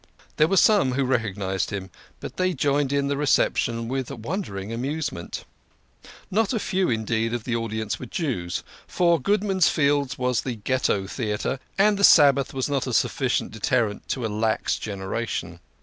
There were some who recognised him, but they joined in the reception with wondering amuse ment. Not a few, in deed, of the audience were Jews, for Goodman's Fields was the Ghetto Theatre, and the Sabbath was not a suffi cient deterrent to a lax generation.